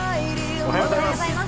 おはようございます。